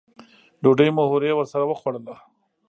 ډوډۍ مو هورې ورسره وخوړله.